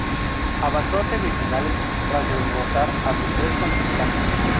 Avanzó a semifinales tras derrotar a sus tres contrincantes.